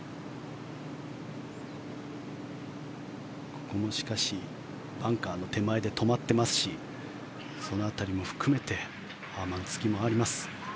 ここもしかし、バンカーの手前で止まっていますしその辺りも含めてハーマン、ツキもあります。